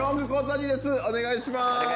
お願いします。